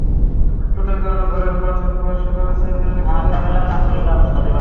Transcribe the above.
চোটের কারণে ঘরের মাঠের বিশ্বকাপের সেমিফাইনালে খেলতে না-পারাটা সত্যিই অনেক কষ্টের।